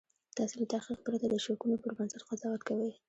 تاسې له تحقیق پرته د شکونو پر بنسټ قضاوت کوئ